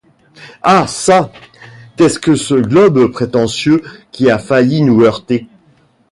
Ah çà! qu’est-ce que ce globe prétentieux qui a failli nous heurter?